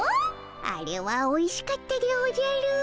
あれはおいしかったでおじゃる。